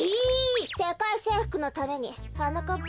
せかいせいふくのためにはなかっぱ